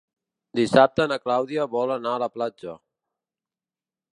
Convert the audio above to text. Dissabte na Clàudia vol anar a la platja.